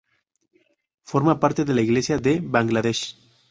Forma parte de la Iglesia de Bangladesh.